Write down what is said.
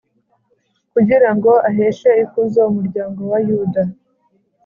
Kugira ngo aheshe ikuzo umuryango wa yuda